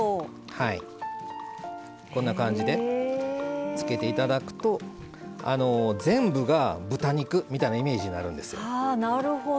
こんな感じでつけて頂くと全部が豚肉みたいなイメージになるんですよ。はあなるほど。